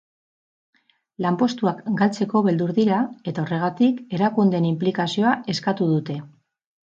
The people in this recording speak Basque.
Lanpostuak galtzeko beldur dira eta horregatik, erakundeen inplikazioa eskatu dute.